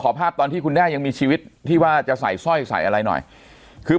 ภาพตอนที่คุณแด้ยังมีชีวิตที่ว่าจะใส่สร้อยใส่อะไรหน่อยคือ